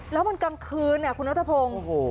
แล้วมันกำคืนคุณรัฐพงธ์